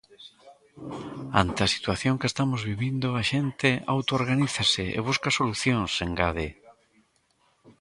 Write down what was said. Ante a situación que estamos vivindo, a xente autoorganízase e busca solucións, engade.